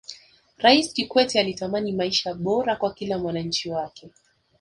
raisi kikwete alitamani maisha bora kwa kila mwananchi wake